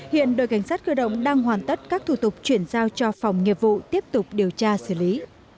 hiện đội cảnh sát cơ động đang hoàn tất các thủ tục chuyển giao cho phòng nghiệp vụ tiếp tục điều tra xử lý